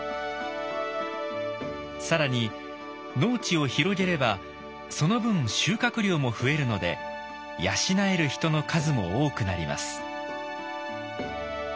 更に農地を広げればその分収穫量も増えるので養える人の数も多くなります。